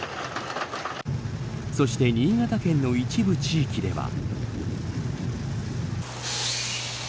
そして、新潟県の一部地域では。